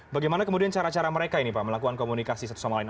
bagaimana kemudian cara cara mereka ini pak melakukan komunikasi satu sama lain